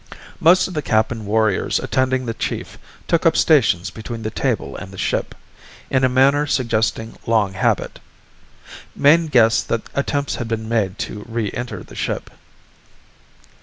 Most of the Kappan warriors attending the chief took up stations between the table and the ship, in a manner suggesting long habit. Mayne guessed that attempts had been made to re enter the ship.